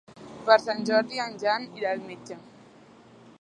Per Sant Jordi en Jan irà al metge.